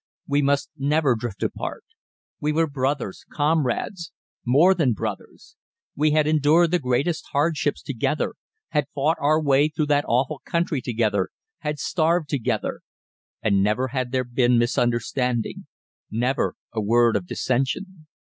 We must never drift apart. We were brothers, comrades more than brothers. We had endured the greatest hardships together, had fought our way through that awful country together, had starved together; and never had there been misunderstanding, never a word of dissension.